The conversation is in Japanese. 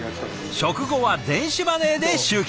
食後は電子マネーで集金。